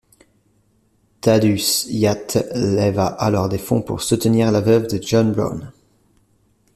Thaddeus Hyatt leva alors des fonds pour soutenir la veuve de John Brown.